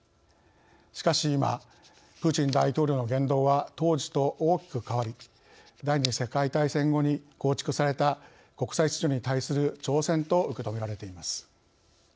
しかし今プーチン大統領の言動は当時と大きく変わり第２次世界大戦後に構築された国際秩序に対する挑戦と受け止められています。